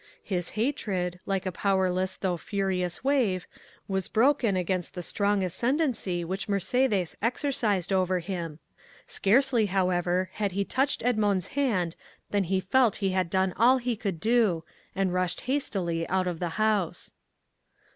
His hatred, like a powerless though furious wave, was broken against the strong ascendancy which Mercédès exercised over him. Scarcely, however, had he touched Edmond's hand when he felt he had done all he could do, and rushed hastily out of the house.